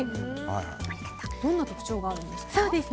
どんな特徴があるんですか？